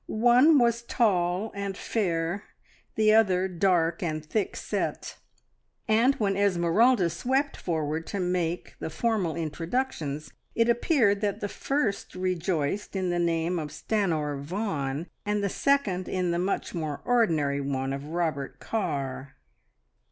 One was tall and fair, the other dark and thick set, and when Esmeralda swept forward to make the formal introductions it appeared that the first rejoiced in the name of Stanor Vaughan, and the second in the much more ordinary one of Robert Carr.